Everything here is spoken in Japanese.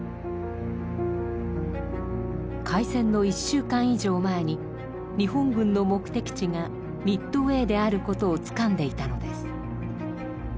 海戦の１週間以上前に日本軍の目的地がミッドウェーである事をつかんでいたのです。